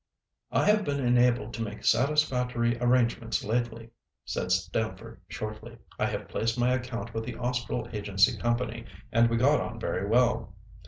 "I have been enabled to make satisfactory arrangements lately," said Stamford, shortly. "I have placed my account with the Austral Agency Company and we got on very well."